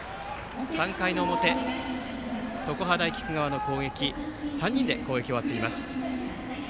３回の表、常葉大菊川の攻撃は３人で攻撃が終わっています。